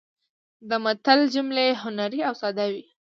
د متل جملې هنري او ساده وي